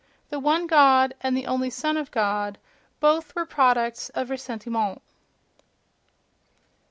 The One God and the Only Son of God: both were products of ressentiment.... 41.